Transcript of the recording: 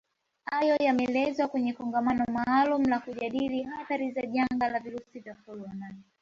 Hayo yameelezwa kwenye Kongamano maalumu la kujadili athari za janga la virusi vya corona